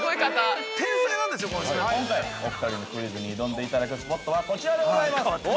今回お２人にクイズに挑んでいただくスポットは、こちらでございます。